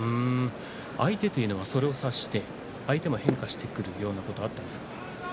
相手というのはそれを察して相手も変化してくるようなことはあったんですか？